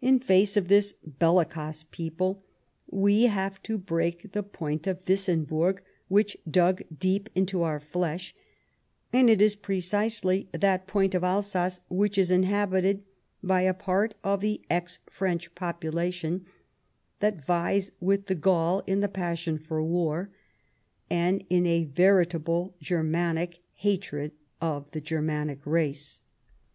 In face of this bellicose people, we have to break the point of Wissenburg which dug deep into our flesh ; and it is precisely that point of Alsace which is inhabited by a part of the ex French population that vies with the Gaul in the passion for war, and in a veritably Germanic hatred of the Germanic race."